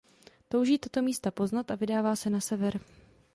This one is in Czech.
Touží tato místa poznat a vydává se na sever.